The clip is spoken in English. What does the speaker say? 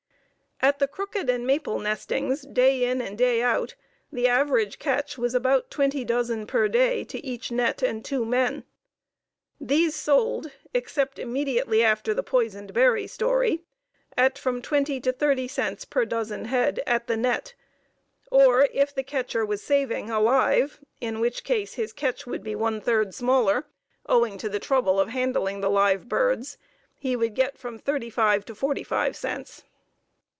At the Crooked and Maple nestings day in and day out the average catch was about twenty dozen per day to each net and two men. These sold, except immediately after the "poisoned berry story," at from twenty to thirty cents per dozen head, at the net, or if the catcher was saving alive, in which case his catch would be one third smaller, owing to the trouble of handling the live birds, he would get from thirty five to forty five cents.